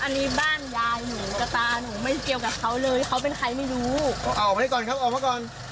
นั่งลุง